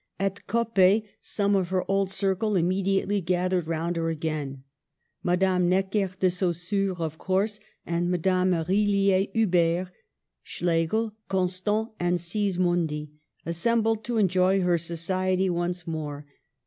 At Coppet some of her old cir cle immediately gathered round her again : Ma dame Necker de Saussure, of course, and Madame Rilliet H liber, Schlegel, Constant, and Sismondi, assembled to enjoy her society once more.